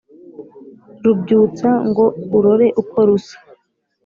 rubyutsa ngo urore uko rusa